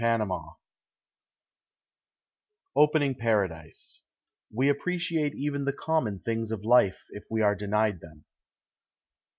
_ OPENING PARADISE We appreciate even the common things of life if we are denied them.